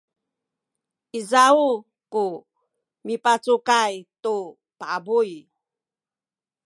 izaw ku mipacukay tu pabuy